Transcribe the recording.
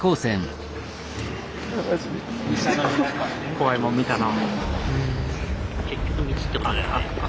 怖いもん見たな。